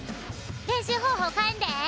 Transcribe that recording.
練習方法変えんで。